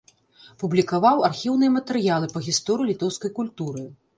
Публікаваў архіўныя матэрыялы па гісторыі літоўскай культуры.